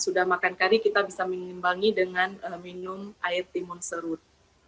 sudah makan kari kita bisa mengimbangi dengan minum air timun serut